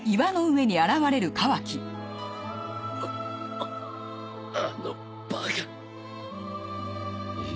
あのバカ。